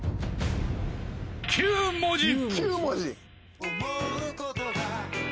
９文字。